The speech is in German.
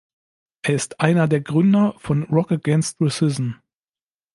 Er ist einer der Gründer von Rock Against Racism.